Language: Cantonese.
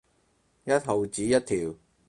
一毫子一條